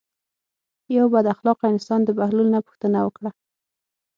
یو بد اخلاقه انسان د بهلول نه پوښتنه وکړه.